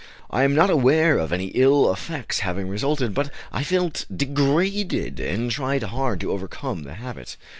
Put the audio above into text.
I am not aware of any ill effects having resulted, but I felt degraded, and tried hard to overcome the habit.